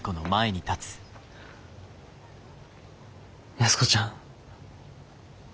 安子ちゃん。